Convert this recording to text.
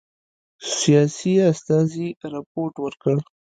سیاسي استازي رپوټ ورکړ.